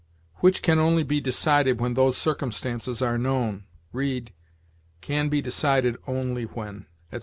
"Which can only be decided when those circumstances are known"; read, "can be decided only when," etc.